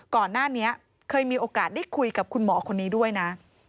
ก่อนหน้านี้เคยมีโอกาสได้คุยกับคุณหมอคนนี้ด้วยนะ